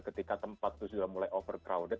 ketika tempat itu sudah mulai overcrowded